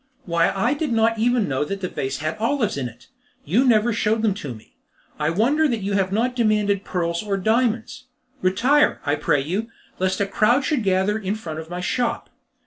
Why, I did not even know that the vase had olives in it! You never showed them to me. I wonder you have not demanded pearls or diamonds. Retire, I pray you, lest a crowd should gather in front of my shop."